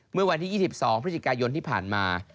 เมื่อวันที่๒๒พฤศจิกายนที่ผ่านมา